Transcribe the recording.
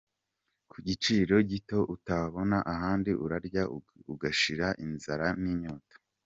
Ku giciro gito utabona ahandi urarya ugashira inzara n’inyota.